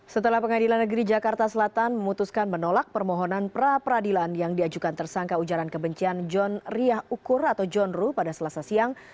setelah pengadilan negeri jakarta selatan memutuskan menolak permohonan pra peradilan yang diajukan tersangka ujaran kebencian john riah ukur atau john ruh pada selasa siang